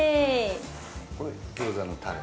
これ、餃子のタレ。